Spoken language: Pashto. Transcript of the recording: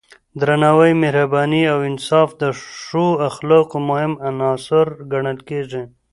درناوی، مهرباني او انصاف د ښو اخلاقو مهم عناصر ګڼل کېږي.